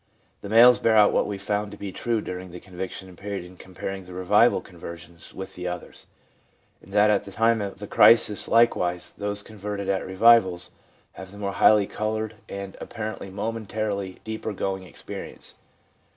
The males bear out what we found to be true during the conviction period in comparing the revival conversions with the others, in that at the time of the crisis likewise those converted at revivals have the more highly coloured and, apparently, momentarily deeper going experience.